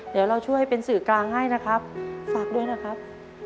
เดี๋ยวเราช่วยเป็นสื่อกลางให้นะครับฝากด้วยนะครับ